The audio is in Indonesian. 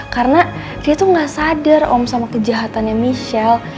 karena dia tuh gak sadar om sama kejahatannya michelle